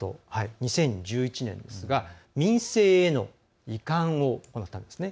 ２０１１年ですが民政への移管を行ったんですね。